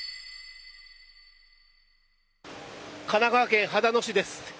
神奈川県秦野市です。